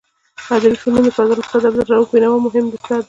ادبي فنون د فاضل استاد عبدالروف بینوا مهم اثر دی.